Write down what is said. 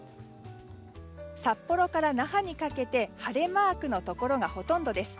札幌から那覇にかけて晴れマークのところがほとんどです。